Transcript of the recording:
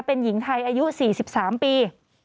เป็นหญิงไทยอายุ๔๓ปี